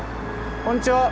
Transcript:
こんにちは。